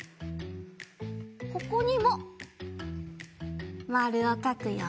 ここにもまるをかくよ。